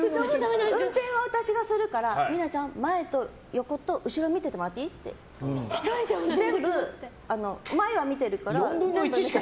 運転は私がするから美奈代ちゃんは前と後ろと横見ててもらっていい？って全部、前は見てるから。